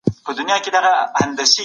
میلاټونین د خوب ستونزې کموي.